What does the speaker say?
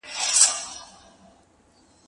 زه بوټونه پاک کړي دي!.